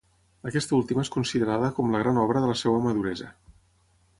Aquesta última és considerada com la gran obra de la seva maduresa.